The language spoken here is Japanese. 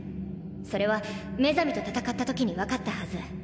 それはメザミと戦ったときに分かったはず。